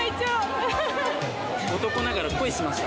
男ながら恋しました。